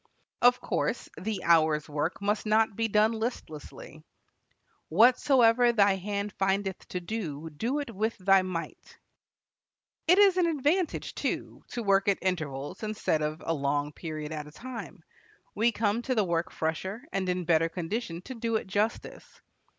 Of course, the hour's work must not be done listlessly. "Whatsoever thy hand findeth to do, do it with thy might." It is an advantage, too, to work at intervals instead of a long period at a time. We come to the work fresher, and in better condition to do it justice.